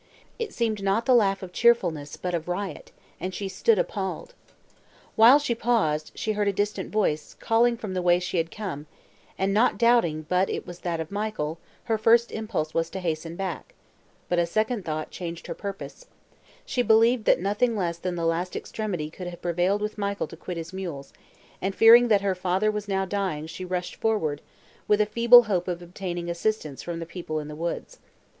It seemed not the laugh of cheerfulness, but of riot, and she stood appalled. While she paused, she heard a distant voice, calling from the way she had come, and not doubting but it was that of Michael, her first impulse was to hasten back; but a second thought changed her purpose; she believed that nothing less than the last extremity could have prevailed with Michael to quit his mules, and fearing that her father was now dying, she rushed forward, with a feeble hope of obtaining assistance from the people in the woods.